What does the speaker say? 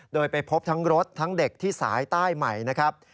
โดยไปพบทั้งรถทั้งเด็กที่สายใต้ใหม่นะครับ